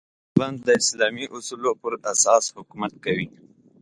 طالبان د اسلامي اصولو پر اساس حکومت کوي.